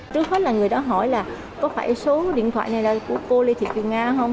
trước hết là người đã hỏi là có phải số điện thoại này là của cô lê thị nga không